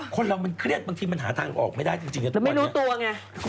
คนเรามันเครียดบางทีมันหาทางออกไม่ได้จริงไม่รู้ตัวไง